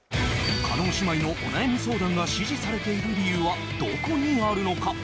叶姉妹のお悩み相談が支持されている理由はどこにあるのか？